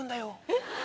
えっ？